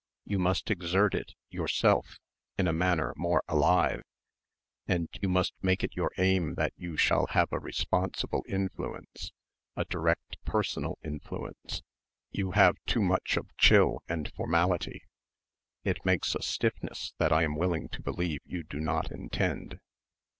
You must exert it yourself, in a manner more alive, you must make it your aim that you shall have a responsible influence, a direct personal influence. You have too much of chill and formality. It makes a stiffness that I am willing to believe you do not intend."